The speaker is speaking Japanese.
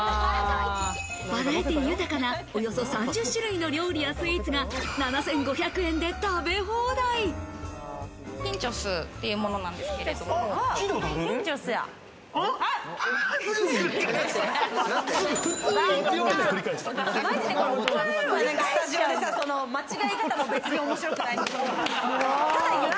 バラエティー豊かな、およそ３０種類の料理やスイーツが７５００ピンチョスというものなんでピンチョスや。